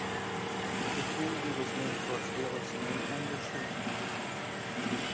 The community was named for its early cement industry.